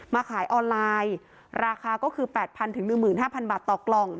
มาขายออนไลน์ราคาก็คือแปดพันถึงลืมหมื่นห้าพันบาทต่อกล่อง